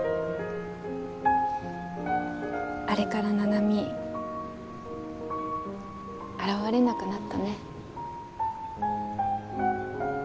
あれから七美現れなくなったね。